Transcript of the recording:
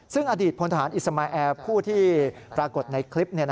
ซึ่งอดีตพลทหารอิสมาแอร์ผู้ที่ปรากฏในคลิป